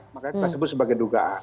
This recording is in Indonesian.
makanya kita sebut sebagai dugaan